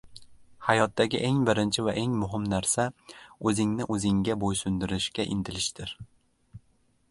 Hayotdagi eng birinchi va eng muhim narsa o‘zingni o‘zingga bo‘ysundirishga intilishdir.